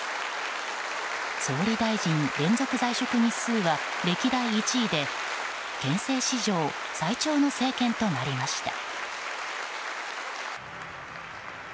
総理大臣連続在職日数は歴代１位で憲政史上最長の政権となりました。